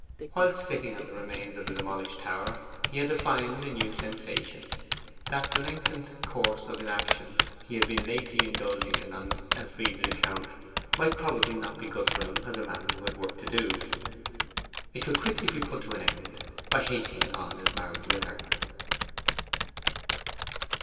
Whilst sitting on the remains of the demolished tower he had defined a new sensation; that the lengthened course of inaction he had lately been indulging in on Elfride's account might probably not be good for him as a man who had work to do. It could quickly be put an end to by hastening on his marriage with her.